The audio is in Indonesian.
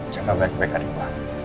jaga baik baik adik gue